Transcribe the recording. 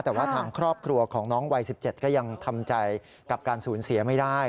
แต่ว่าทางครอบครัวของน้องวัย๑๗ก็ยังทำใจกับการสูญเสียไม่ได้